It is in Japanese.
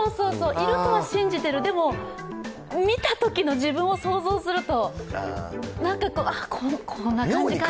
いるとは信じてる、でも、見たときの自分を想像するとなんか、あぁ、こんな感じかって。